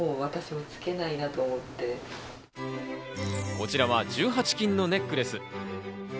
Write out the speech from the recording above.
こちらは１８金のネックレス。